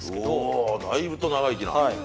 うおだいぶと長生きな。